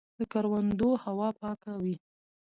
د کروندو هوا پاکه وي.